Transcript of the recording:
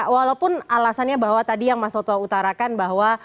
walaupun alasannya bahwa tadi yang mas soto utarakan bahwa